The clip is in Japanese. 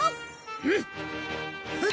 うん！